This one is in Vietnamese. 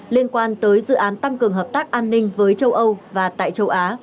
liên quan tới dự án tăng cường hợp tác an ninh với châu âu và tại châu á